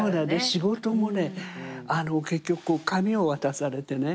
仕事もねあの結局こう紙を渡されてね